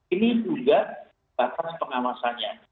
ini juga batas pengawasannya